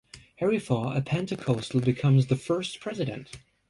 Harry Faugh, a Pentecostal, becomes the first president.